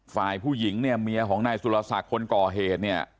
ฝ่ายผู้หญิงเนี่ยเมียของนายสุรษะคนกอเหเนี่ย